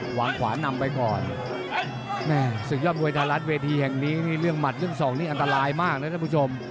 ขวางขวานำไปก่อนแม่ศึกยอดมวยไทยรัฐเวทีแห่งนี้นี่เรื่องหัดเรื่องสองนี่อันตรายมากนะท่านผู้ชม